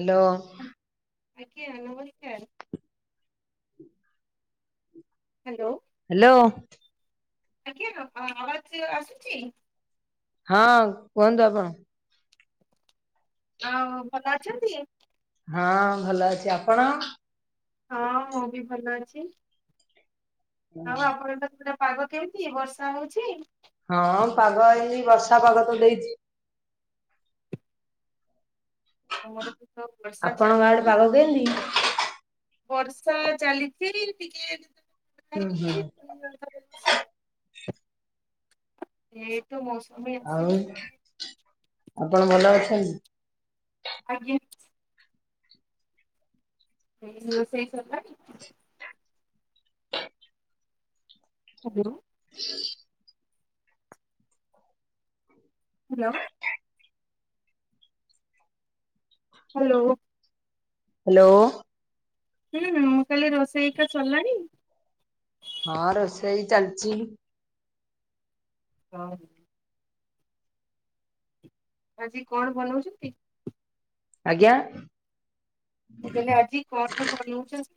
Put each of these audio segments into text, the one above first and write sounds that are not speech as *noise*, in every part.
Hello ଆଜ୍ଞା ନମସ୍କାର hello hello ଆଜ୍ଞା ଆବାଜ ଆସୁଛି? ହଁ କୁହନ୍ତୁ ଆପଣ। ଆଉ ଭଲ ଅଛନ୍ତି? ହଁ ଭଲ ଅଛି ଆପଣ? ହଁ ମୁଁ ବି ଭଲ ଅଛି। ଆଉ ଆପଣଙ୍କ ତ ପାଗ କେମିତି ବର୍ଷା ହଉଛି? ହଁ ପାଗ ଏଇଚି ବର୍ଷା ପାଗ ତ ଦେଇଛି। ଆମର ତ ସବୁ ବର୍ଷା ଆପଣ ଆଡେ ଚାଲିଛି ପାଗ କେମିତି? ବର୍ଷା ଚାଲିଛି ଟିକେ ହୁଁ ହୁଁ ହେଇଉଛି। *unintelligible* ତ ମୋୖସୁମି। ଆଉ ଆପଣ ଭଲ ଅଛନ୍ତି? ଆଜ୍ଞା ହେଇନି, ରୋଷେଇ ସରିଲାଣି? ହାଲୋ। *unintelligible* ହାଲୋ। ହାଲୋ। ହାଲୋ। ହୁଁ, ମୁଁ କହିଲି ରୋଷେଇ ହେଇକା ସରିଲାଣି? ହଁ, ରୋଷେଇ ଚାଲିଚି। *unintelligible* ଆଜି କଣ ବନଉଚନ୍ତି? ଆଜ୍ଞା। ମୁଁ କହିଲି ଆଜି କଣ ବନଉଚନ୍ତି?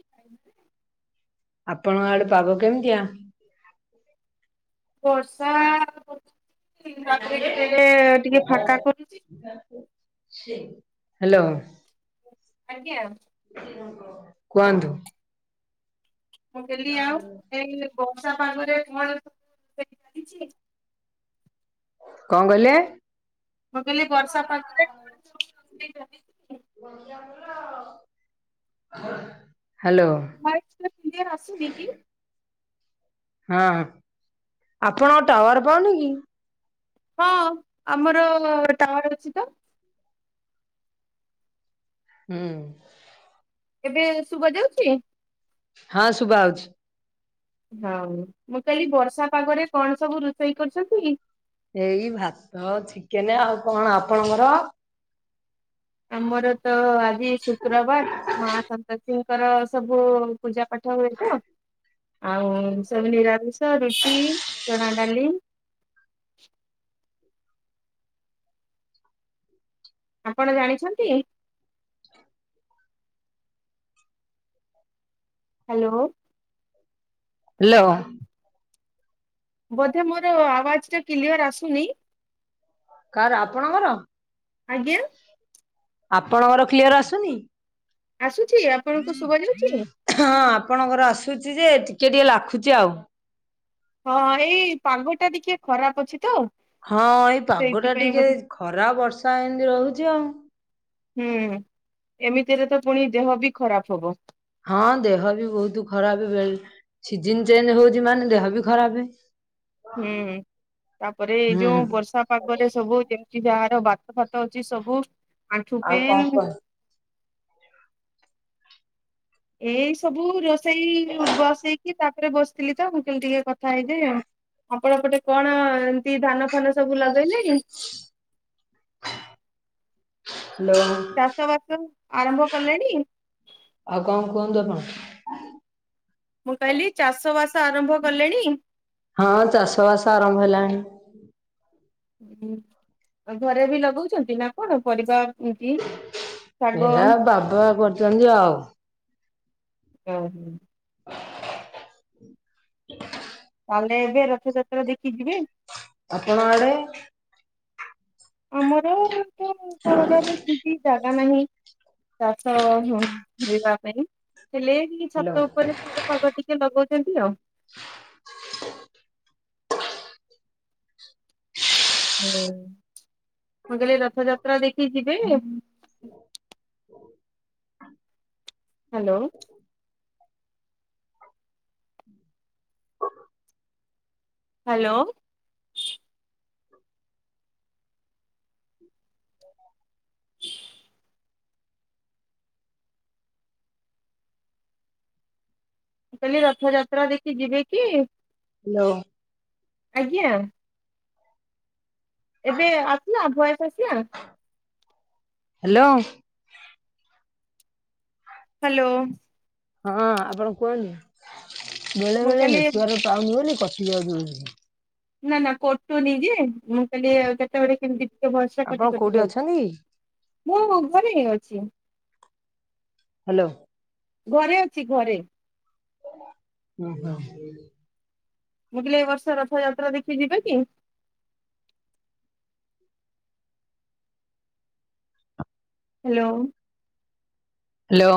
ଆପଣଙ୍କ ଆଡେ ପାଗ କେମିତିଆ? ବର୍ଷା ହଉଚି, ତାପରେ କେତେବେଳେ ଟିକେ ଫାଙ୍କା କରୁଚି। ହାଲୋ। ଆଜ୍ଞା। କୁହନ୍ତୁ? ମୁଁ କହିଲି ଆଉ, ଏଇ ବର୍ଷା ପାଗରେ କଣ ସବୁ ଚାଲିଚି? କଣ କହିଲେ? ମୁଁ କହିଲି ବର୍ଷା ପାଗରେ କଣ ସବୁ ବନେଇଚନ୍ତି? ହାଲୋ। ଭାଇ ସେଇଟା କ୍ଲ୍କିଅର ଆସୁନିକି? ହଁ, ଆପଣଙ୍କ ଟାୱାର ପାଉନି କି? ହଁ, ଆମର ଅ ଟାୱାର ଅଛି ତ। ହୁଁ। ଏବେ ଶୁବା ଯାଉଚି? ହଁ, ଶୁଭା ଆଉଛି। ହଁ, ମୁଁ କଇଲି ବର୍ଷା ପାଗରେ କଣ ସବୁ ରୋଷେଇ କରୁଚନ୍ତି? ଏଇ ଭାତ, ଚିକେନ ଆଉ କଣ? ଆପଣଙ୍କର? ଆମର ତ ଆଜି ଶୁକ୍ରବାର, ମା ସନ୍ତୋଷୀଙ୍କର ସବୁ ପୂଜାପାଠ ହୁଏ ତ, ଆଉ ସବୁ ନିରାମିଷ ରୁଟି, ଚଣା ଡାଲି ଆପଣ ଜାଣିଛନ୍ତି? *unintelligible* ହାଲୋ। ହାଲୋ। ବୋଧେ ମୋର ଆୱଜ ଟା କ୍ଲିୟର ଆସୁନି? କାର ଆପଣଙ୍କର, ଆଜ୍ଞା ଆପଣଙ୍କର କ୍ଲିୟର ଆସୁନି? ଆସୁଛି, ଆପଣଙ୍କୁ ଶୁଭା ଯାଉଛି? ହଁ, ଆପଣଙ୍କର ଆସୁଛି ଯେ, ଟିକେ ଟିକେ ଲାଖୁଛି ଆଉ। ହଁ, ଏଇ ପାଗଟା ଟିକେ ଖରାପ ଅଛି ତ। ହଁ, ଏଇ ପାଗ ଟା ସେଇଥିପାଇଁ ଟିକେ ବୋଧେ ଖରା, ବର୍ଷା ଏମତି ରହୁଛି ଆଉ। ହୁଁ, ଏମିତିରେ ତ ପୁଣି ଦେହ ବି ଖରାପ ହବ। ହଁ, ଦେହ ବି ବହୁତ ଖରାପ, ବେ, ସିଜନ ଚେଞ୍ଜ ହଉଛି ମାନେ ଦେହ ବି ଖରାପ। ହୁଁ, ତାପରେ ଏଇ ହୁଁ ଯୋଉ ବର୍ଷା ପାଗରେ ସବୁ, ଯେମତି ଯାହାର ବାତ-ଫାତ ଅଛି ସବୁ, ଆଣ୍ଠୁ ଆଉ କଣ ପେନ୍ କୁହ ଏଇ ସବୁ ରୋଷେଇ ବସେଇକି ତାପରେ ବସିଥିଲିତ ମୁଁ, କହିଲି ଟିକେ କଥା ହେଇଯାଏ ଆଉ। ଆପଣଙ୍କ ପଟେ କଣ ଏମତି ଧାନ ଫାନ ସବୁ ଲଗେଇଲେଣି? ହାଲୋ। ଚାଷ ବାସ ଆରମ୍ଭ କଲେଣି? ଆଉ କଣ କୁହନ୍ତୁ ଆପଣ? ମୁଁ କହିଲି ଚାଷ ବାସ ଆରମ୍ଭ କଲେଣି? ହଁ ଚାଷ ବାସ ଆରମ୍ଭ ହେଲାଣି। ଉଁ ହୁଁ ଆଉ ଘରେବି ଲଗଉଚନ୍ତି ନା କଣ ପରିବା ଏମିତି? ଶାଗ? ଏରା ବାବା କରୁଚନ୍ତି ଆଉ। ଓହୋ। *inaudible* ତମେ ଏବେ ରଥଯାତ୍ରା ଦେଖି ଯିବେ? ଆପଣ ଆଡ଼େ? ଆମର ତ *unintelligible* ତାମାନେ ଚାଷ ବୁଣିବା ପାଇଁ ହେଲେ ଏଇ ହ୍ୟାଲୋ। ଛାତ ଉପରେ ଶାଗ ପାଗ ଟିକେ ଲଗଉଚନ୍ତି ଆଉ। ହ, ମୁଁ କଇଲି ରଥଯାତ୍ରା ଦେଖି ଯିବେ? ହାଲୋ। ହାଲୋ। ମୁଁ କଇଲି ରଥଯାତ୍ରା ଦେଖି ଯିବେକି? ହାଲୋ। ଆଜ୍ଞା। ଏବେ ଆସିଲା ଭଏସ୍ ଆସିଲା? ହିଲୋ। ହାଲୋ। ହଁ ଆପଣ କୁହନ୍ତୁ, ବେଳେ ମୁଁ ବେଳେ କହିଲି ନେଟୱାର୍କ ପାଉନି ବୋଲି କଟି ଯାଉଚି ବୋଧେ। ନା ନା କଟୁନିଯେ ମୁଁ କଇଲି କେତେବେଳେ କେମତି ଟିକେ ଭଏସ୍ ଆପଣ କଟି କଟି କୋଉଠି ଯାଉଚି। ଅଛନ୍ତି? ମୁଁ ଘରେ ଅଛି। ହାଲୋ। ଘରେ ଅଛି ଘରେ। ଓହୋ। ମୁଁ କହିଲେ ଏବର୍ଷ ରଥଯାତ୍ରା ଦେଖି ଯିବେକି? ହାଲୋ। ହାଲୋ।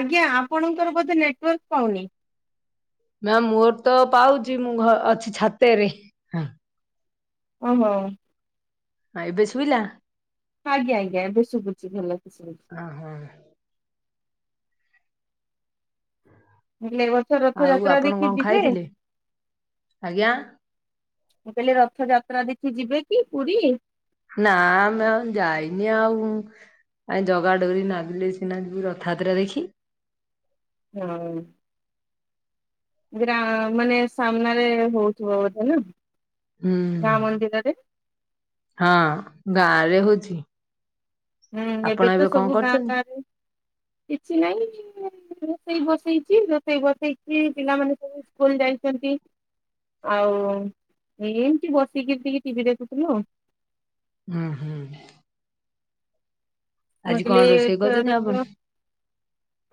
ଆଜ୍ଞା ଆପଣଙ୍କର ବୋଧେ ନେଟୱାର୍କ ପାଉନି? ମ୍ୟାମ୍ ମୋରତ ପାଉଚି ମୁଁ ଅଛି ଘ ଛାତରେ। ହଁ ଓହୋ। ଆଁ ଏବେ ଶୁବିଲା? ଆଜ୍ଞା ଆଜ୍ଞା ଏବେ ଶୁଭୁଛିି ଭଲକିସେ। ହଁ ହଁ। ହେଲେ ଏବର୍ଷ ରଥ ଆଉ ଯାତ୍ରା ଆପଣ ଦେଖି କଣ ଯିବେ? ଖାଇଥିଲେ? ଆଜ୍ଞା ମୁଁ କହିଲି ରଥଯାତ୍ରା ଦେଖି ଯିବେକି ପୁରୀ? ନା ମ୍ୟାମ୍ ଯାଇନି ଆଉ ଆଁ ଜଗା ଡୋରି ନାଗିଲେ ସିନା ଯିବୁ ରଥଯାତ୍ରା ଦେଖି। ହଁ। ଗ୍ରା ମାନେ ସାମ୍ନାରେ ହଉଥିବ ବୋଧେ ନା। ହୁଁ ଗାଁ ମନ୍ଦିରରେ। ହଁ ଗାଁରେ ହୋଉଚି। ହୁଁ ଏବେ ତ ସବୁ ଗାଁ ଗାଁରେ କିଛି ନାଇଁ ମୁଁ ରୋଷେଇ ବସେଇଛି ରୋଷେଇ ବସେଇଛି ପିଲାମାନେ ସବୁ ସ୍କୁଲ ଯାଇଛନ୍ତି। ଆଉ ଏମତି ବସିକିରି ଟିକେ ଟିଭି ଦେଖୁଥିଲୁ ଆଉ। ହୁଁ ହୁଁ। ମୁ ଆ ଆଜି କଣ କଲି ରୋଷେଇ କରୁଛନ୍ତି ଆପଣ? ଏଥରକ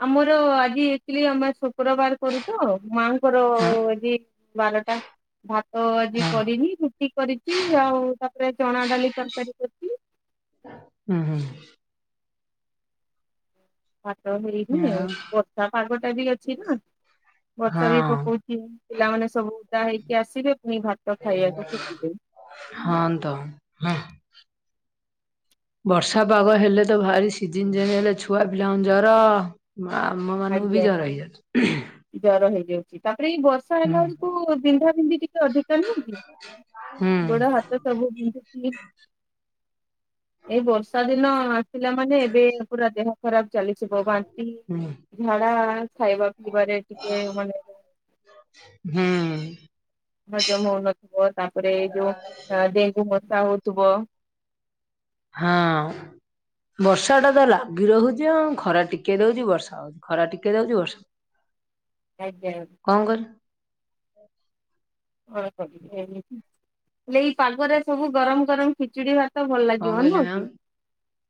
ଆମର ଆଜି ଇଥିଲି ଆମେ ସ ଶୁକ୍ରବାର କରୁ ତ ମାଙ୍କର ହଁ ଆଜି ବାରଟା ସା ତ ଆଜି ହଁ କରିନି ରୁଟି କରିଛି ଆଉ ତାପରେ ଚଣା ଡାଲି ତରକାରୀ କରି ହୁଁ ହୁଁ। ତ ହେଇନି ଆଉ ବର୍ଷା ପାଗ ଟା ବି ଅଛି ନା ବର୍ଷା ବି ହଁ। ପକଉଚି। ପିଲାମାନେ ସବୁ ଉଦା ହେଇକି ଆସିବେ ପୁଣି ଭାତ ଖାଇବାକୁ ଖୋଜିବେ। ହଁ। ତ *inaudible* ବର୍ଷା ପାଗ ହେଲେ ତ ଭାରି ସିଜିିନ ଚେଜେ ହେଲେ ଛୁଆ ପିଲାଙ୍କୁ ଜର ଆମ ମାନଙ୍କୁ ବି ଆଜ୍ଞା ଜର ହେଇଯାଉଚି। ଜର ହେଇଯାଉଛି ତାପରେ ଏଇ ବର୍ଷ ର୍ଷା ହେଲା ବେଳକୁ ବିନ୍ଧା ବିନ୍ଧି ଟିକେ ଅଧିକା ନୁହଁ କି ହୁଁ ଗୋଡ ହାତ ତ ସବୁ ବିନ୍ଧୁଚି। ଏଇ ବର୍ଷା ଦିନ ଆସିଲା ମାନେ ଏବେ ପୁରା ଦେହ ଖରାପ ଚାଲିଥିବ ବାନ୍ତି ହୁଁ ଝାଡା ଖାଇବା ପିଇବାରେ ଟିକେ ମାନେ ହୁଁ। ହଜମ ହଉନଥିବ ତାପରେ ଏଇ ଯୋଉ ଆଁ ଡେଙ୍ଗୁ ମଶା ହଉଥିବ। ହଁ। ବର୍ଷା ଟା ତ ଲାଗି ରହୁଛି ଆଉ ଖରା ଟିକେ ଦଉଛି ବର୍ଷା ହଉଛି ଖରା ଟିକେ ଦଉଛି ବର୍ଷା ଆଜ୍ଞା। କଣ କଲୁ *unintelligible* ହେଲେ ଏଇ ପାଗରେ ସବୁ ଗରମ ଗରମ ଖିଚୁଡି ଭା ତ ଭଲ କଣ ଲାଗିବ କହିଲେ ନୁହଁ କି ମ୍ୟାମ୍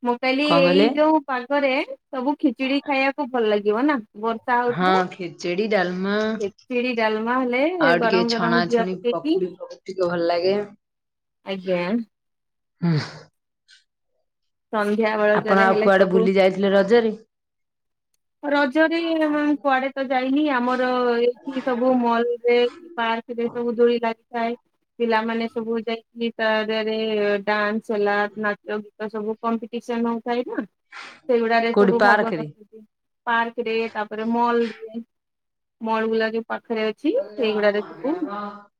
ମୁଁ କହିଲି କଣ ଏଇ କହିଲେ? ଯୋଉ ପାଗରେ ସବୁ ଖିଚୁଡି ଖାଇବାକୁ ଭଲ ଲାଗିବ ନା। ବର୍ଷା ହଁ ହଉଥିବ ଖେଚେଡି ଡାଲମା ଖିଚିଡି ଡାଲମା ହେଲେ ଆଉ ଟିକେ ଗରମ ଗରମ ଘିଅ ପକେଇକି *unintelligible* ଟିକେ ଭଲ ଲାଗେ ଆଜ୍ଞା ହୁଁ। ସନ୍ଧ୍ୟା ଆପଣ ବେଳଜାରେ ଆଉ ହେଲେ କୁଆଡେ ସବୁ ବୁଲି ଯାଇଥିଲେ ରଜରେ ରଜରେ ମୁଁ କୁଆଡେ ତ ଯାଇନି ଆମର ଏଇଠି ସବୁ ମଲ ରେ ପାର୍କ ରେ ସବୁ ଦୋଳି ଲାଗିଥାଏ। ପିଲାମାନେ ସବୁ ଯାଇକି ତା ଦେରେ ଡାନ୍ସ ହେଲା ନାଚ ଗୀତ ସବୁ କମ୍ପିଟିସନ ହୋଉ ଥାଏନା ସେଉଡାରେ କୋଉଠି ସବୁ ଭାଗ ପାର୍କରେ? ନ ପାର୍କ ରେ ତାପରେ ମଲ ରେ ମଲ ଗୁଲାକ ପାଖରେ ଅଛି। ସେଇଗୁଡାରେ ସବୁ *unintelligible*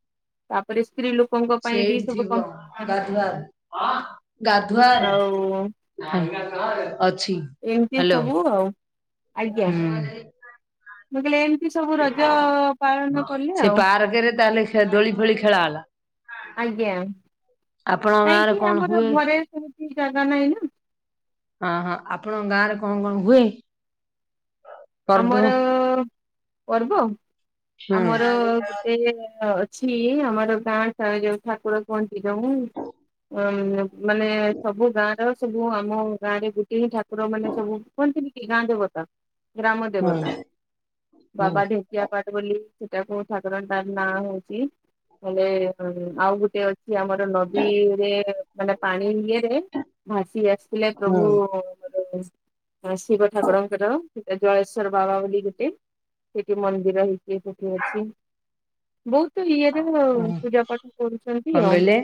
ତାପରେ ସ୍ତ୍ରୀ ଲୋକଙ୍କ ପାଇଁ ବି ସେଇଠି ସବୁ ଥିବ କମ୍ପିଟିସନ ଗାଧୁଆରେ ଆଉ ଗାଧୁଆରେ। ଅଛି ଏମିତି ହ୍ୟାଲୋ ସବୁ ଆଉ ଆଜ୍ଞା ହୁଁ। ମୁଁ କହିଲି ଏମିତି ସବୁ ରଜ ପାଳନ କଲେ ଆଉ। ଆ ରଜରେ ତାହେଲେ ଦୋଳି ଫୋଳି ଖେଳା ହେଲା। ଆଜ୍ଞା ଆପଣଙ୍କ ଗାଁରେ କାହିଁକିନା କଣ ଆମର ହୁଏ? ଘରେ ସେମିତି ଜାଗା ନାହିଁ ନା। ହଁ -ହଁ ଆପଣଙ୍କ ଗାଁ ରେ କଣ କଣ ହୁଏ? ପର୍ବ? ଆମର ପର୍ବ ହୁଁ ଆମର ଗୋଟେ ହୁଏ ଛି ଆମର ଗାଁ ଟା ଯଉ ଠାକୁର *unintelligible* ଯଉ ଅଁ ମାନେ ସବୁ ଗାଁ ର ସବୁ ଆମ ଗାଁ ରେ ଗୋଟେ ହିଁ ଠାକୁର ମାନେ ସବୁ କହନ୍ତି କି ଗାଁ ଦେବତା। ଗ୍ରାମ ଦେବତା ହୁଁ ହୁଁ ବାବାଢି ପୂଜା ପାଠ ବୋଲି ସେଟାକୁ ଠାକୁରଙ୍କର ନାଁ ହଉଚି ହେଲେ ଆଉ ଗୋଟେ ଅଛି ଆମର ନଦୀରେ ମାନେ ପାଣି ଇଏରେ ଭାସି ଆସିଥିଲେ ହୁଁ ପ୍ରଭୁ ଶିବ ଠାକୁରଙ୍କର ଜଳେଶ୍ଵର ବାବା ବୋଲି ଗୋଟେ ସେଠି ମନ୍ଦିର ହେଇଚି ସେଠି ଅଛି। ବହୁତୁ ଇଏରେ ଆଉ ହଁ ପୂଜା ପାଠ କରୁଚନ୍ତି କଣ ଆଉ। କହିଲେ?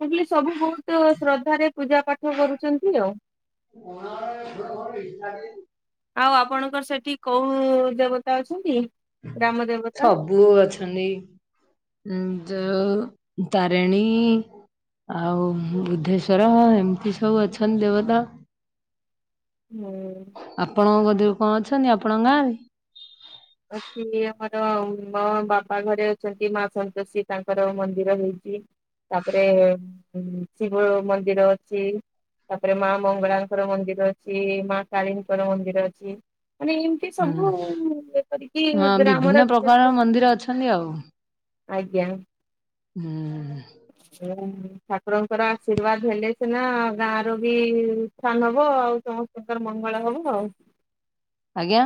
କିହିଲି ସବୁ ବହୁତ୍ ଶ୍ରଦ୍ଧା ରେ ପୂଜା ପାଠ କରୁଚନ୍ତି ଆଉ। *inaudible* ଆଉ ଆପଣଙ୍କର ସେଠି କଉ ଦେବତା ଅଛନ୍ତି ଗ୍ରାମ ଦେବତା? *unintelligible* ଅଛନ୍ତି ଯଉ ତାରିଣୀ। ଆଉ ବୁଦ୍ଧେଶ୍ଵର ଏମିତି ସବୁ ଅଛନ୍ତି ଦେବତା। ହୁଁ। ଆପଣଙ୍କ *unintelligible* କଣ ଅଛନ୍ତି ଆପଣଙ୍କ ଗାଁରେ? ଅଛି ଆମର ମୋ ବାପା ଘରେ ଅଛନ୍ତି ମା ସନ୍ତୋଷୀ ତାଙ୍କର ମନ୍ଦିର ହେଇଚି। ତାପରେ ଶିବ ମନ୍ଦିର ଅଛି। ତାପରେ ମା ମଙ୍ଗଳାଙ୍କର ମନ୍ଦିର ଅଛି ମା କାଳୀଙ୍କର ମନ୍ଦିର ଅଛି ମାନେ ଏମ୍ ଏମିତି ହୁଁ ସବୁ କରିକି ହଁ ଗ୍ରାମର ବିଭିନ୍ନ ଗୋଟେ ଗୋଟେ ପ୍ରକାର ମନ୍ଦିର ଅଛନ୍ତି ଆଉ। ଆଜ୍ଞା। ହଁ। ଠାକୁରଙ୍କର ଆଶୀର୍ବାଦ ହେଲେ ସିନା ଗାଁ ର ବି *unintelligible* ହବ ଆଉ ସମସ୍ତଙ୍କର ମଙ୍ଗଳ ହବ ଆଉ। ଆଜ୍ଞା।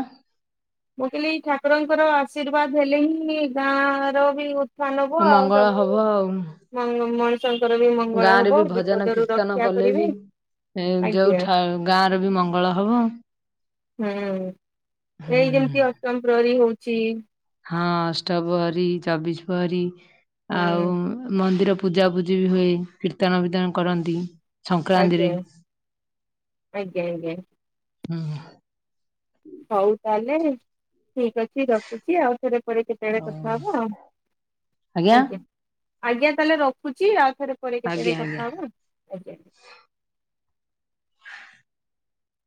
ମୁଁ କହିଲି ଠାକୁରଙ୍କର ଆଶୀର୍ବାଦ ହେଲେ ହିଁ ଗାଁ ର ବି ଉ ଉତ୍ଥାନ ହବ ଆଉ ମଙ୍ଗଳ ସବୁ ହବ ଆଉ ମଣି -ମଣି ଷଙ୍କର ବି ଗାଁ ମଙ୍ଗଳ ରେ ହବ ବି ବିପଦରୁୁ ରକ୍ଷା କରିବେ। ଏଁ- ଆଜ୍ଞା ଯଉ-ଠା ଗାଁରେ ବି ମଙ୍ଗଳ ହବ। ହୁଁ ଏଇ ଯେମିତି ଅଷ୍ଟମ୍ ପ୍ରହରୀ ହଉଚି ହଁ ଅଷ୍ଟପହରୀ ଚବିଶ୍ ପହରୀ ଆଉ ହୁଁ ମନ୍ଦିର ପୂଜାପୂଜି ବି ହୁଏ କୀର୍ତ୍ତନ ବିର୍ତ୍ତନ କରନ୍ତି। ଆଜ୍ଞା ସଂକ୍ରାନ୍ତିରେ ଆଜ୍ଞା ଆଜ୍ଞା। -ହୁଁ। ହଉ ତାହେଲେ ଠିକ୍ ଅଛି ରଖୁଚି ଆଉଥରେ ପରେ କେତେବେଳେ ଆଉ କଥା ହବା ଆଉ ଆଜ୍ଞା- ଆଜ୍ଞା ତାହଲେ ରଖୁଚି ଆଉ ଥରେ ପରେ ଆଜ୍ଞା କେତେବେଳେ ଆଜ୍ଞା। କଥା ହବା ଆଜ୍ଞା।